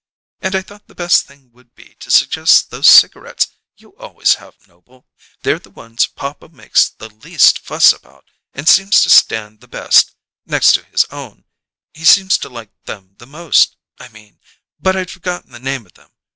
and I thought the best thing would be to suggest those cigarettes you always have, Noble. They're the ones papa makes the least fuss about and seems to stand the best next to his own, he seems to like them the most, I mean but I'd forgotten the name of them.